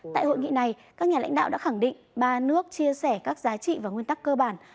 tại hội nghị này các nhà lãnh đạo đã khẳng định ba nước chia sẻ các giá trị và nguyên tắc cơ bản